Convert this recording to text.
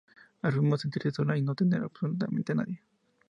Afirmó sentirse sola y no tener absolutamente a nadie.